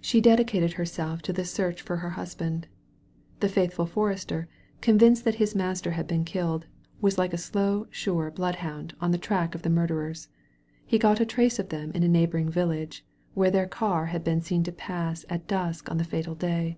She dedicated herself to the search for her husband. The faithful forester, convinced that his nuister had been killed, was like a slow, sure bloodhound on the track of the murderers. He got a trace of them in a neighboring village, where their car had been seen to pass at dusk on the fatal day.